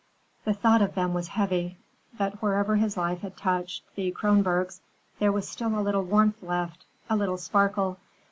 The thought of them was heavy. But wherever his life had touched Thea Kronborg's, there was still a little warmth left, a little sparkle.